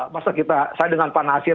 masa kita saya dengan pak nasir